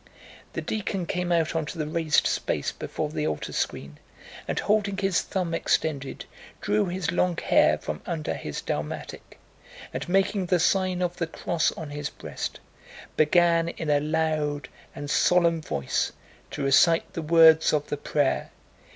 The deacon came out onto the raised space before the altar screen and, holding his thumb extended, drew his long hair from under his dalmatic and, making the sign of the cross on his breast, began in a loud and solemn voice to recite the words of the prayer....